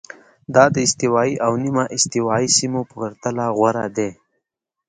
دا د استوایي او نیمه استوایي سیمو په پرتله غوره دي.